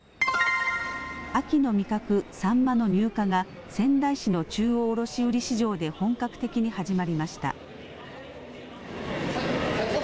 秋の味覚、サンマの入荷が仙台市の中央卸売市場で本格的に始まりました。